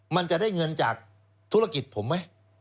มันจะได้เงินจากธุรกิจผมไหม